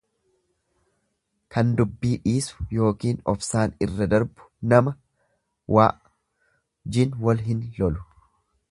Kandubbii dhiisu yookiin obsaan irra darbu nama w jin wal hin lolu.